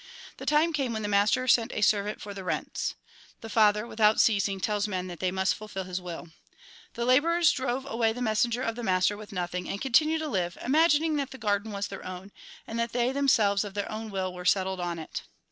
The time came when the master sent a servant for the rents. (The Father, without ceasing, tells men that they must fulfil His will.) The labourers drove away the messenger of the master with nothing, and continued to live, imagining that the garden was their own, and that they, themselves of their own will, were settled on it.